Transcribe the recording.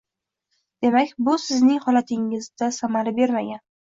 Demak, bu sizning holatingizda samara bermagan?